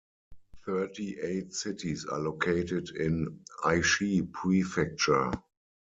Thirty-eight cities are located in Aichi Prefecture.